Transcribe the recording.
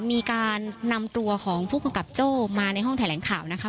มีการนำตัวของผู้กำกับโจ้มาในห้องแถลงข่าวนะคะ